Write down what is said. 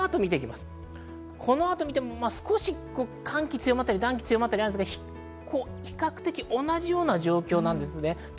この後を見ても寒気が強まったり暖気が強まったりがあるんですが、比較的、同じような状況なんですね。